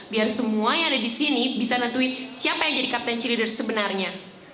biar semua yang ada di sini bisa netuin siapa yang jadi captain creader sebenarnya